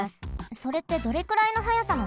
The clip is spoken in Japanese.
それってどれくらいの速さなの？